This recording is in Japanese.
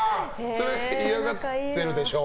それは嫌がってるでしょう？